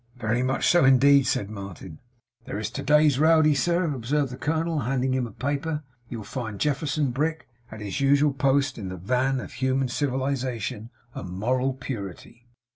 'Very much so, indeed,' said Martin. 'There is to day's Rowdy, sir,' observed the colonel, handing him a paper. 'You'll find Jefferson Brick at his usual post in the van of human civilization and moral purity.